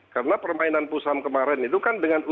karena permainan pusam kemarin itu kan dengan u dua puluh tiga